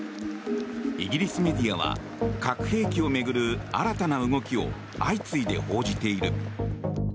イギリスメディアは核兵器を巡る新たな動きを相次いで報じている。